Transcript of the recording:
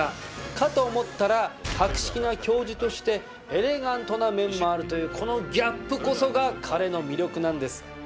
かと思ったら博識な教授としてエレガントな面もあるというこのギャップこそが彼の魅力なんです。